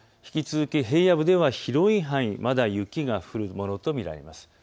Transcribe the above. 引き続き平野部では広い範囲でまだ雪が降るものと見られます。